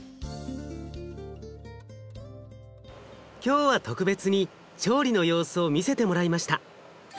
今日は特別に調理の様子を見せてもらいました。